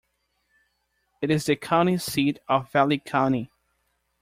It is the county seat of Valley County.